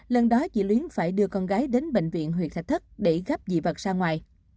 lần đó chỉ luyến phải đưa con gái đến bệnh viện huyệt sạch thất để gắp dị vật sang ngoài